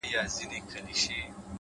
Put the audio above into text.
مهرباني د انسانیت ژور پیغام دی،